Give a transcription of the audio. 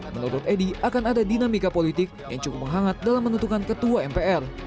menurut edi akan ada dinamika politik yang cukup menghangat dalam menentukan ketua mpr